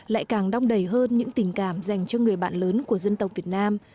lại càng đong đầy hơn những tình cảm dành cho người bạn lớn của dân tộc việt nam